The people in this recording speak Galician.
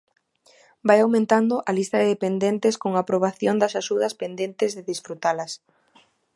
Vai aumentando a lista de dependentes con aprobación das axudas pendentes de desfrutalas.